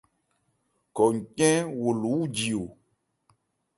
Khɔ ncɛ́n wo lo wúji o ?